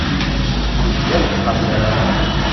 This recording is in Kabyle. Izga lebḥer gar-aneɣ.